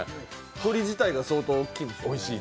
鶏自体が相当大きい、おいしい。